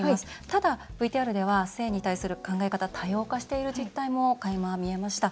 ただ、ＶＴＲでは性に対する考え方、多様化している実態もかいま見えました。